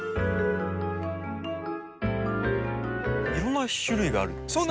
いろんな種類があるんですね。